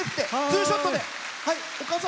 ツーショットで。